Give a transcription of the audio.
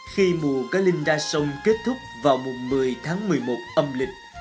khi mùa cá linh ra sông kết thúc vào mùng một mươi tháng một mươi một âm lịch